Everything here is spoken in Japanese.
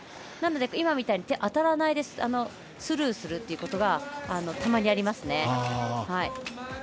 なので、当たらないでスルーするということがたまにありますね。